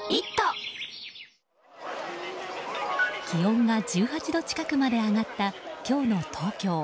気温が１８度近くまで上がった今日の東京。